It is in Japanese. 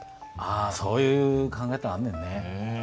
そういう考え方あんねんね。